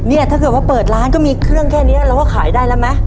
ถ้าเกิดว่าเปิดร้านก็มีเครื่องแค่นี้เราก็ขายได้แล้วไหม